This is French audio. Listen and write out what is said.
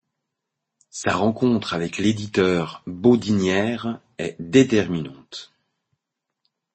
Sa rencontre avec l'éditeur Baudinière est déterminante.